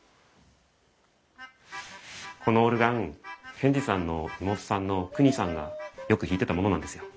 このオルガン賢治さんの妹さんのクニさんがよく弾いてたものなんですよ。